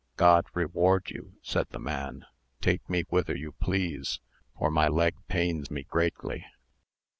"God reward you!" said the man: "take me whither you please, for my leg pains me greatly."